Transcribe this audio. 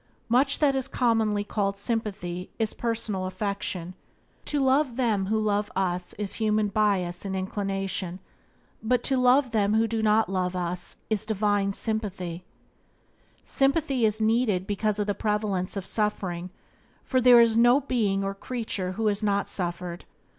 Much that is commonly called sympathy is personal affection. To love them who love us is human bias and inclination; but to love them who do not love us is divine sympathy. Byways to Blessedness by James Allen 33 Sympathy is needed because of the prevalence of suffering, for there is no being or creature who has not suffered.